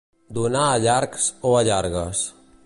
Donar allargs o allargues.